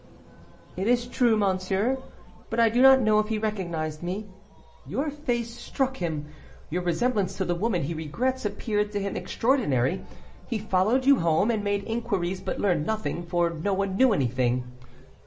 'It is true, monsieur; but I do not know if he recognized me.' 'Your face struck him; your resemblance to the woman he regrets appeared to him extraordinary, he followed you home, and made inquiries, but learned nothing, for no one knew anything.